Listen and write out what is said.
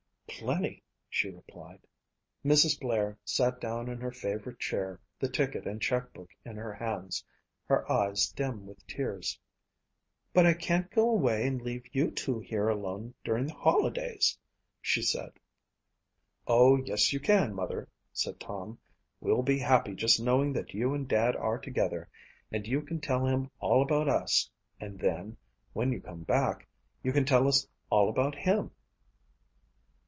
"Plenty," she replied. Mrs. Blair sat down in her favorite chair, the ticket and check book in her hands, her eyes dim with tears. "But I can't go away and leave you two here alone during holidays," she said. "Oh yes you can, Mother," said Tom. "We'll be happy just knowing that you and Dad are together and you can tell him all about us and then, when you come back, you can tell us all about him."